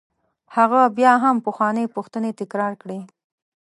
هغه بیا هم پخوانۍ پوښتنې تکرار کړې.